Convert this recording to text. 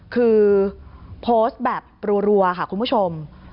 คือโพสต์แบบรัวค่ะคุณผู้ชม